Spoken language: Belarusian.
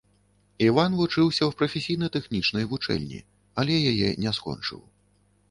Іван вучыўся ў прафесійна-тэхнічнай вучэльні, але яе не скончыў.